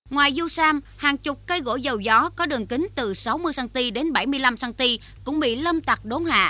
ngoài du sam hàng chục cây gỗ dầu gió có đường kính từ sáu mươi cm đến bảy mươi năm cm cũng bị lâm tạc đốn hạ